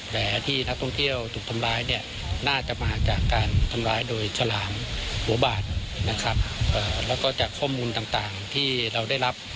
แล้วก็จากข้อมูลต่างที่เราได้รับ